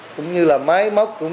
cũng như là máy móc